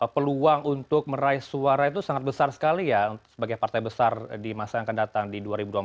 peluang untuk meraih suara itu sangat besar sekali ya sebagai partai besar di masa yang akan datang di dua ribu dua puluh empat